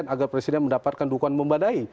agar presiden mendapatkan dukungan membadai